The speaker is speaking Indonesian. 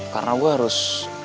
karena gue harus